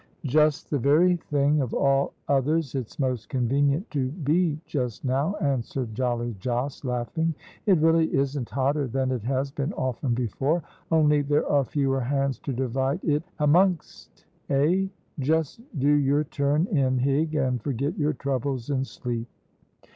"Just the very thing of all others it's most convenient to be just now," answered jolly Jos, laughing. "It really isn't hotter than it has been often before, only there are fewer hands to divide it amongst, eh? Just do your turn in, Hig, and forget your troubles in sleep."